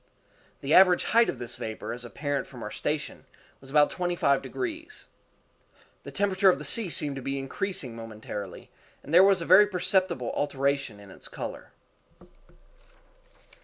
The average height of this vapor, as apparent from our station, was about twenty five degrees. The temperature of the sea seemed to be increasing momentarily, and there was a very perceptible alteration in its color.